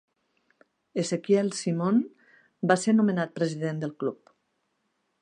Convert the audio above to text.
Ezequiel Simone va ser nomenat president del Club.